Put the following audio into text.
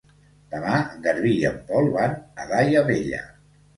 Demà en Garbí i en Pol van a Daia Vella.